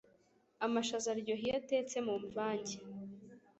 Amashaza aryoha iyo atetse mumvange